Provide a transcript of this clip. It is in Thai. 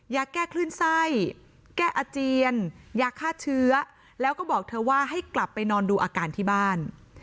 ยาแก้คลื่นไส้แก้อาเจียนยาฆ่าเชื้อแล้วก็บอกเธอว่าให้กลับไปนอนดูอาการที่บ้าน